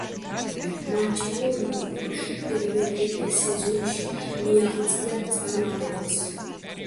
მარჩელო ლიპიმ პირველივე სეზონში მიაღწია წარმატებას.